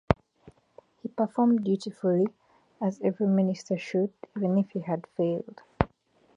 He performed dutifully as every minister should even if he had failed.